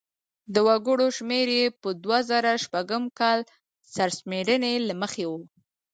د وګړو شمېر یې په دوه زره شپږم کال سرشمېرنې له مخې و.